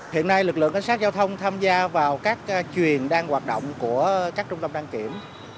hiện nay lực lượng cảnh sát giao thông tham gia vào các chuồng đang hoạt động của các trung tâm đăng kiểm